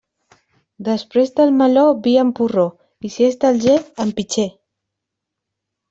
Després del meló, vi en porró, i si és d'Alger, en pitxer.